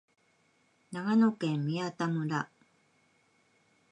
長野県宮田村